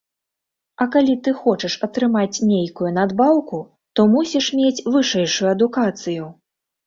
А калі ты хочаш атрымаць нейкую надбаўку, то мусіш мець вышэйшую адукацыю.